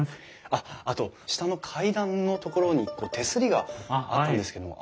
あっあと下の階段のところに手すりがあったんですけども。